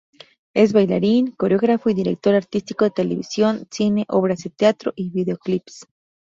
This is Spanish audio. Es bailarín, coreógrafo y director artístico de televisión, cine, obras de teatro y videoclips.